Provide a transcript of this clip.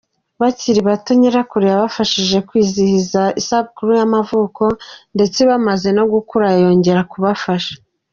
Bakiri bato, nyirakuru yabafashije kwizihiza isabukuru y'amavuko, ndetse bamaze no gukura yongera kubafasha.